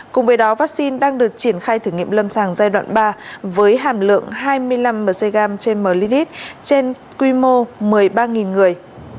cùng với đó vaccine đang được triển khai thử nghiệm lâm sàng giai đoạn ba với hàm lượng hai mươi năm mg trên ml trên quy mô một mươi ba người